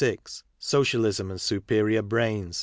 Socialism and Superior Brains.